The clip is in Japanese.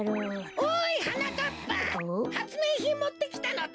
・おいはなかっぱはつめいひんもってきたのだ。